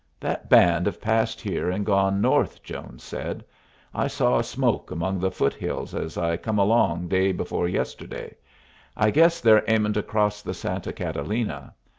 "That band have passed here and gone north," Jones said. "I saw a smoke among the foot hills as I come along day before yesterday. I guess they're aiming to cross the Santa Catalina.